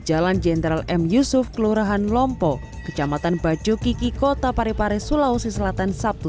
jalan jenderal m yusuf kelurahan lompo kecamatan bajo kiki kota parepare sulawesi selatan sabtu